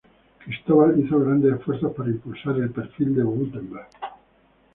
Cristóbal hizo grandes esfuerzos para impulsar el perfil de Wurtemberg.